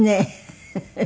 フフフ。